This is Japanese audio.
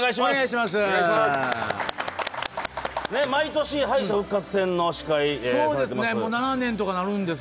毎年、敗者復活戦の司会をされてます。